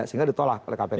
sehingga ditolak oleh kpk